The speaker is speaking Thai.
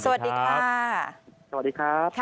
สวัสดีครับ